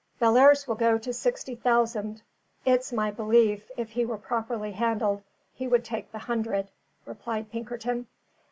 "Bellairs will go to sixty thousand; it's my belief, if he were properly handled, he would take the hundred," replied Pinkerton.